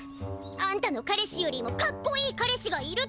「あんたの彼氏よりもかっこいい彼氏がいる」